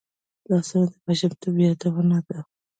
لاسونه د ماشومتوب یادونه ده